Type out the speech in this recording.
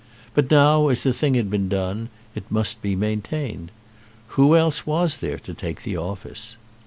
But now, as the thing had been done, it must be maintained. Who else was there to take the office?